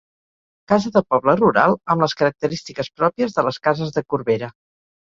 Casa de poble rural, amb les característiques pròpies de les cases de Corbera.